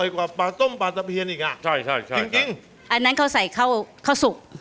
กว่าปลาต้มปลาตะเพียนอีกอ่ะใช่ใช่จริงจริงอันนั้นเขาใส่ข้าวข้าวสุก